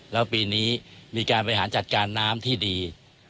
แล้วปีนี้มีการบริหารจัดการน้ำที่ดี